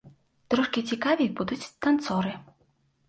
Трошкі цікавей будуць танцоры.